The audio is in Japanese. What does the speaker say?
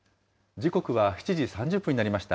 時刻は７時３０分になりました。